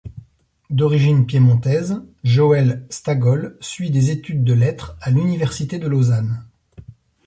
D'origine piémontaise, Joëlle Stagoll suit des études de lettres à l'Université de Lausanne.